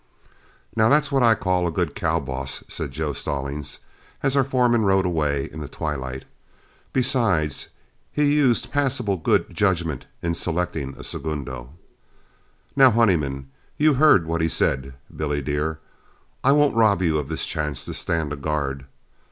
"Now, that's what I call a good cow boss," said Joe Stallings, as our foreman rode away in the twilight; "besides, he used passable good judgment in selecting a segundo. Now, Honeyman, you heard what he said. Billy dear, I won't rob you of this chance to stand a guard.